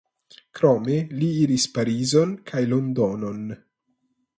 Krome li iris Parizon kaj Londonon.